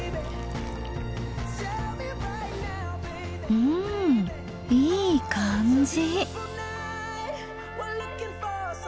うんいい感じ。